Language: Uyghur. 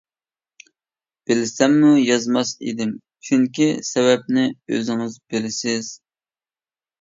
بىلسەممۇ يازماس ئىدىم، چۈنكى سەۋەبىنى ئۆزىڭىز بىلىسىز.